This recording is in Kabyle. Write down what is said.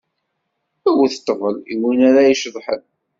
Wwet ṭṭbel, i win ara iceḍḥen!